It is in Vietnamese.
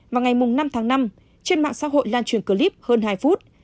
vào ngày năm tháng năm trên mạng xã hội lan truyền clip hơn hai phút